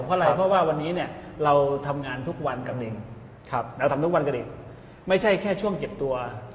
เพราะอะไรเพราะว่าวันนี้เนี่ยเราทำงานทุกวันกับหนึ่งเราทำทุกวันกับเด็กไม่ใช่แค่ช่วงเก็บตัว